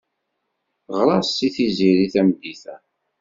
Ɣer-as i Tiziri tameddit-a.